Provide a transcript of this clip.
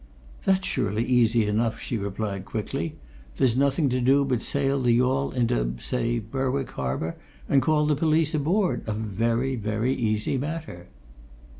"That's surely easy enough," she replied quickly. "There's nothing to do but sail the yawl into say Berwick harbour and call the police aboard. A very, very easy matter!"